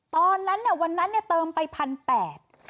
ตอนนั้นวันนั้นเติมไป๑๘๐๐บาท